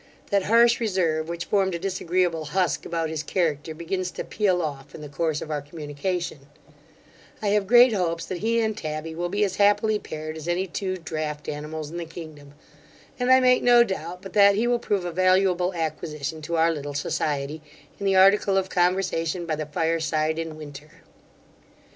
That harsh reserve, which formed a disagreeable husk about his character, begins to peel off in the course of our communication I have great hopes that he and Tabby will be as happily paired as any two draught animals in the kingdom; and I make no doubt but that he will prove a valuable acquisition to our little society, in the article of conversation, by the fire side in winter.